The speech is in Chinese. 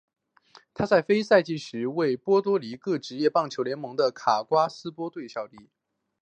他在非赛季时则为波多黎各职业棒球联盟的卡瓜斯队效力。